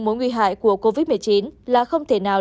mối nguy hại của covid một mươi chín là không thể nào